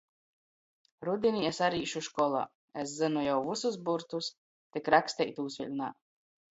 Rudinī es ari īšu školā. Es zynu jau vysus burtus, tik raksteitūs vēļ nā.